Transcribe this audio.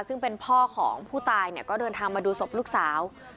ซึ่งเป็นพ่อของผู้ตายเนี่ยก็เดินทางมาดูศพลูกสาว